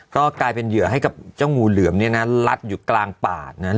ก็กลายเป็นเหยื่อให้กับเจ้างูเหลือมเนี่ยนะลัดอยู่กลางป่านะ